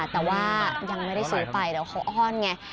แต่ว่ายังไม่ได้ซื้อไปเดี๋ยวเขาอ้อนไง